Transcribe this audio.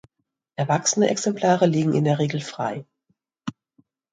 Erwachsene Exemplare liegen in der Regel frei.